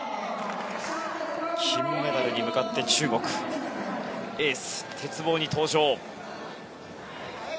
金メダルに向かって中国のエースが鉄棒に登場。